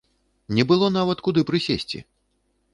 Не было нават куды прысесці.